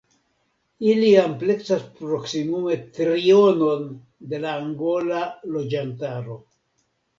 Ili ampleksas proksimume trionon de la angola loĝantaro.